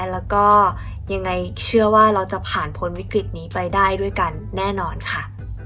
แล้วก็ยังไงเชื่อว่าเราจะผ่านพ้นวิกฤตนี้ไปได้ด้วยกันแน่นอนค่ะ